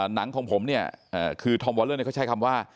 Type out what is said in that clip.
หนังของผมคือทอมวอลเลอร์ใช้คำว่า